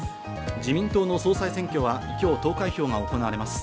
自民党の総裁選挙は今日、投開票が行われます。